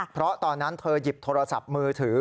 เพราะตอนนั้นเธอหยิบโทรศัพท์มือถือ